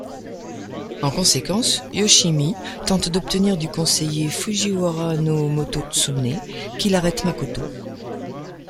En conséquence Yoshimi tente d'obtenir du conseiller Fujiwara no Mototsune qu'il arrête Makoto.